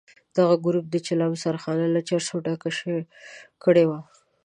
دغه ګروپ د چلم سرخانه له چرسو ډکه کړې وه.